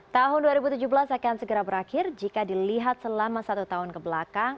tahun dua ribu tujuh belas akan segera berakhir jika dilihat selama satu tahun kebelakang